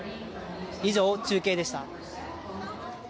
以上、中継でした。